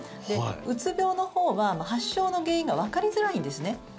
うつ病のほうは発症の原因がわかりづらいんですね。